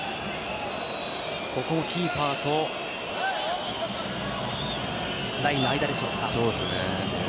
ここキーパーとラインの間でしょうか。